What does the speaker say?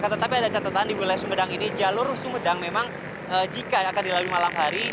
tetapi ada catatan di wilayah sumedang ini jalur sumedang memang jika akan dilalui malam hari